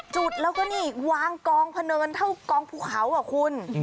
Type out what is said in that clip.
จุดแล้วก็นี่วางกองพะเนินเท่ากองภูเขาอ่ะคุณ